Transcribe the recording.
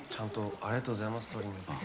ありがとうございます。